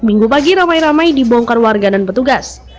minggu pagi ramai ramai dibongkar warga dan petugas